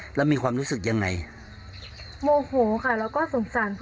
กลับมานี่มาหาน้องเมย์ไหมครับ